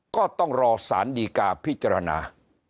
ก็ต้องรอสารดีกาพิจารณา